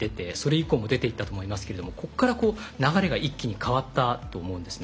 以降出ていたと思いますけれどもここから、流れが一気に変わったと思うんですね。